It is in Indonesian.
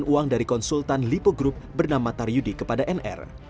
uang dari konsultan lipo group bernama taryudi kepada nr